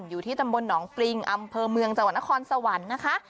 อยู่ที่ตำบลหนองปริงอำเภอเมืองจังหวัดนครสวรรค์นะคะ